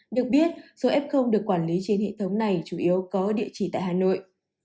được biết số f được quản lý trên hệ thống này chủ yếu có địa chỉ tại hà nội